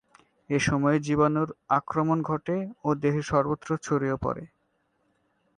এ সময়ে জীবাণুর আক্রমণ ঘটে ও দেহের সর্বত্র ছড়িয়ে পড়ে।